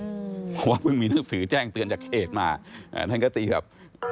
เพราะว่าเพิ่งมีหนังสือแจ้งเตือนจากเขตมาท่านก็ตีแบบ